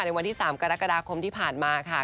วันที่๓กรกฎาคมที่ผ่านมาค่ะ